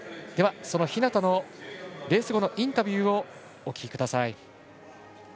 その日向のレース後のインタビューをお聞きください。